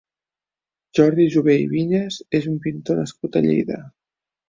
Jordi Jové i Viñes és un pintor nascut a Lleida.